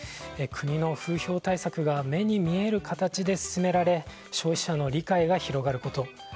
国の風評対策が目に見える形で進められ消費者の理解が広がること。